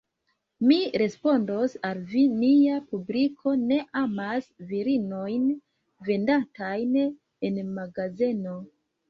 Mi respondos al vi: nia publiko ne amas virinojn vendantajn en magazeno.